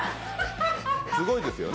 すごいですよね。